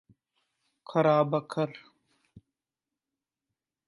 ઠ ઠ ઠ ઠ ઠ ઠ ઠ